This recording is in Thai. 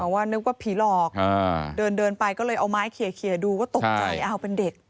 ว่านึกว่าผีหลอกเดินไปก็เลยเอาไม้เขียดูก็ตกใจเป็นเด็ก